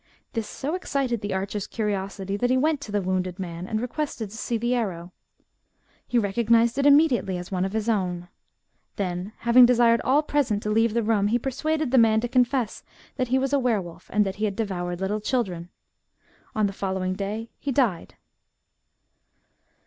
This so excited the archer's curiosity, that he went to the wounded man, and requested to see the arrow. He recognized it immediately as one of his own. Then, having desired all present to leave the room, he persuaded the man to confess that he was a were wolf and that he had devoured little children. On the following day he died.